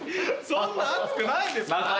そんな熱くないです。